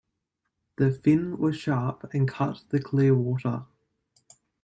The fin was sharp and cut the clear water.